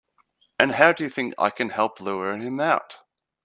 And how do you think I can help lure him out?